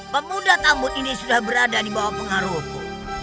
pemuda tamu ini sudah berada di bawah pengaruhku